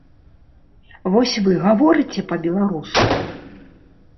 Вось вы гаворыце па-беларуску?